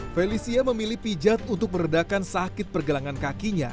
felicia memilih pijat untuk meredakan sakit pergelangan kakinya